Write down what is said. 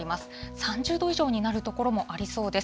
３０度以上になる所もありそうです。